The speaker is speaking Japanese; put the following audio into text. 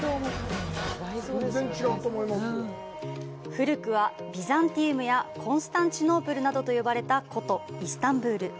古くはビザンティウムやコンスタンチノープルなどと呼ばれた古都・イスタンブル。